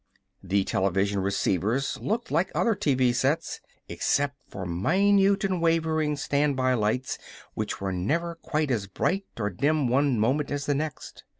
The television receivers looked like other TV sets, except for minute and wavering standby lights which were never quite as bright or dim one moment as the next.